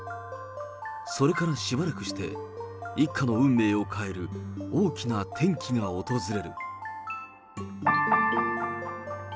それからしばらくして、一家の運命を変える大きな転機が訪れる。